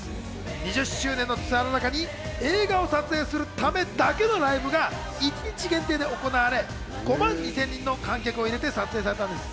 ２０周年のツアーの中に映画を撮影するためだけのライブが一日限定で行われ、５万２０００人の観客を入れて撮影されたんです。